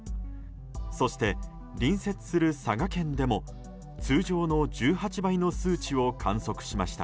そして、隣接する佐賀県でも通常の１８倍の数値を観測しました。